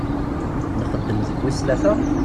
Nxeddem deg wis tlata?